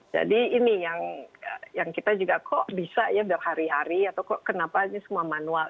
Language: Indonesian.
jadi ini yang kita juga kok bisa ya berhari hari atau kok kenapa aja semua manual